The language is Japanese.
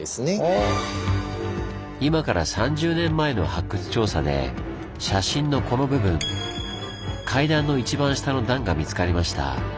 今から３０年前の発掘調査で写真のこの部分階段の一番下の段が見つかりました。